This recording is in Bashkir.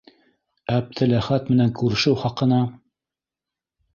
Әптеләхәт менән күрешеү хаҡына...